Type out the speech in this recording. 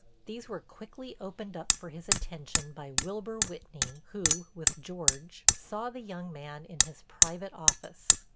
These were quickly opened up for his attention by Wilbur Whitney, who, with George, saw the young man in his private office.